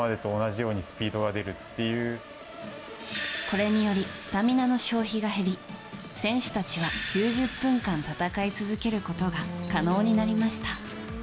これによりスタミナの消費が減り選手たちは９０分間戦い続けることが可能になりました。